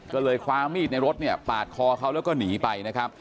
ก็เลยคว้ามีดในรถเนี่ยปาดคอเขาแล้วก็หนีไปนะครับ